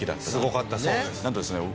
すごかったそうです。